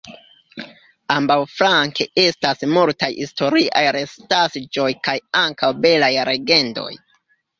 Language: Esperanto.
Ambaǔflanke estas multaj historiaj restasĵoj kaj ankaǔ belaj legendoj.